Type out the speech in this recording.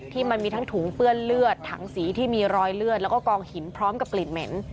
มันมีทั้งถุงเปื้อนเลือดถังสีที่มีรอยเลือดแล้วก็กองหินพร้อมกับกลิ่นเหม็น